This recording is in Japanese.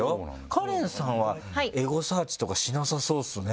カレンさんはエゴサーチとかしなさそうですね。